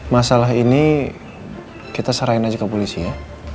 masalah ini kita sarahin aja ke polisi ya